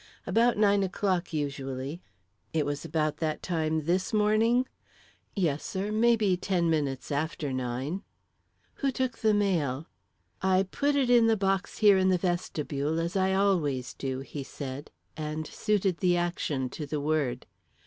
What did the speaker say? "About nine o'clock, usually." "It was about that time this morning?" "Yes, sir; maybe ten minutes after nine." "Who took the mail?" "I put it in the box here in the vestibule, as I always do," he said, and suited the action to the word.